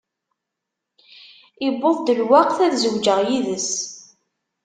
Iwweḍ-d lweqt ad zewǧeɣ yid-s.